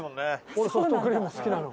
俺ソフトクリーム好きなの。